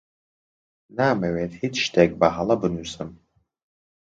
نامەوێت هیچ شتێک بەهەڵە بنووسم.